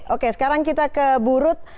oke sekarang kita ke burut